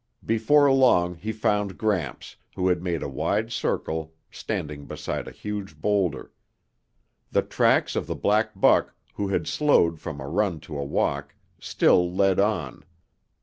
Before long he found Gramps, who had made a wide circle, standing beside a huge boulder. The tracks of the black buck, who had slowed from a run to a walk, still led on.